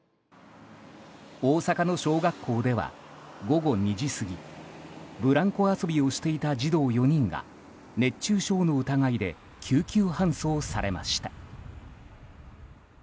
大阪の小学校では午後２時過ぎブランコ遊びをしていた児童４人が熱中症の疑いで救急搬送されました。